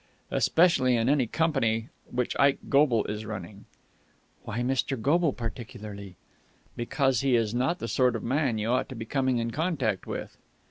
Especially in any company which Ike Goble is running." "Why Mr. Goble particularly?" "Because he is not the sort of man you ought to be coming in contact with."